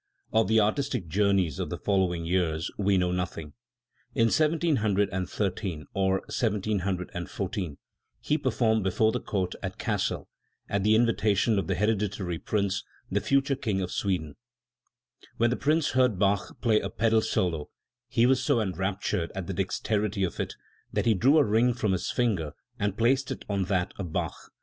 Of the artistic journeys of the following years we know nothing. In 1713 or 1714 he performed before the Court at Cassel, at the invitation of the Hereditary Prince, the future King of Sweden. When the Prince heard Bach play a pedal solo, he was so enraptured at the dexterity of it that he drew a ring from his finger and placed it on that of Bach.